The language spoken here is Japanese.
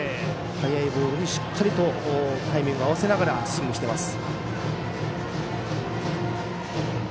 速いボールにしっかりとタイミングを合わせながらスイングしています。